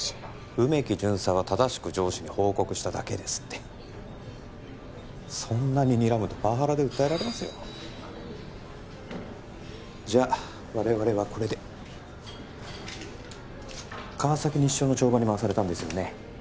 梅木巡査は正しく上司に報告しただけですってそんなににらむとパワハラで訴えられますよじゃあ我々はこれで川崎西署の帳場に回されたんですよね